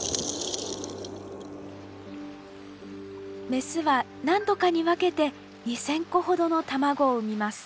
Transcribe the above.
メスは何度かに分けて２，０００個ほどの卵を産みます。